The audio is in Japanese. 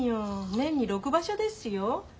年に六場所ですよ。